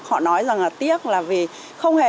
họ nói rằng là tiếc là vì không hề